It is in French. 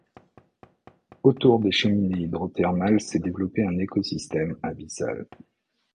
Autour des cheminées hydrothermales s'est développé un écosystème abyssal.